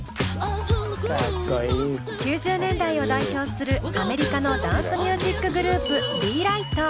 ９０年代を代表するアメリカのダンスミュージックグループ